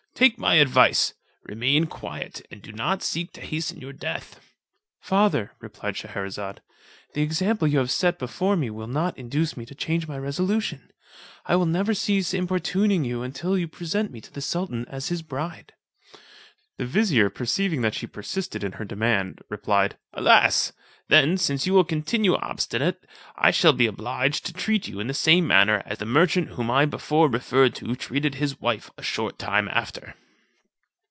Take my advice, remain quiet, and do not seek to hasten your death." "Father," replied Scheherazade, "the example you have set before me will not induce me to change my resolution. I will never cease importuning you until you present me to the sultan as his bride." The vizier, perceiving that she persisted in her demand, replied, "Alas! then, since you will continue obstinate, I shall be obliged to treat you in the same manner as the merchant whom I before referred to treated his wife a short time after."